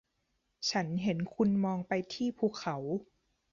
ฉันเห็นคุณมองไปที่ภูเขา